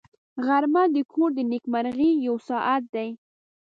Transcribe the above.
غرمه د کور د نېکمرغۍ یو ساعت دی